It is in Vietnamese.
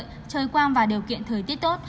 trời quang và điều kiện thời tiết tốt